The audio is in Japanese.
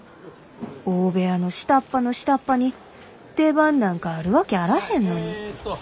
大部屋の下っ端の下っ端に出番なんかあるわけあらへんのに。